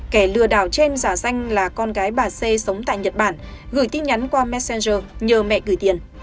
kẻ lừa đảo trên giả danh là con gái bà c sống tại nhật bản gửi tin nhắn qua messenger nhờ mẹ gửi tiền